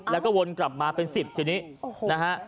แล้วก็วนกลับมาเป็น๑๐ทีนี้นะฮะ